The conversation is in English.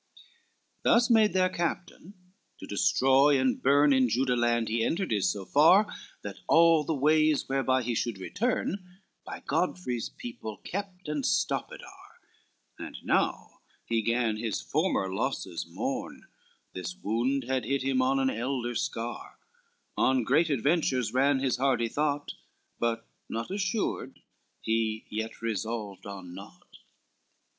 VII Thus made their captain to destroy and burn, In Juda land he entered is so far, That all the ways whereby he should return By Godfrey's people kept and stopped are, And now he gan his former losses mourn, This wound had hit him on an elder scar, On great adventures ran his hardy thought, But naught assured, he yet resolved on naught.